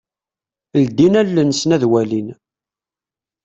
Ldin allen-nsen ad walin.